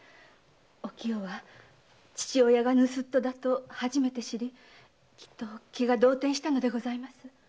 お清は父親が盗っ人だと初めて知り気が動転したのでございます。